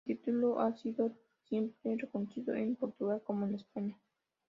El título hay sido siempre reconocido en Portugal como en España.